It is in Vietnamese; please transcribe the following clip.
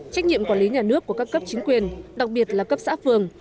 trách nhiệm quản lý nhà nước của các cấp chính quyền đặc biệt là cấp xã phường